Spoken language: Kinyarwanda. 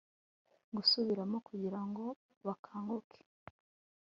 gusubiramo kugira ngo bakanguke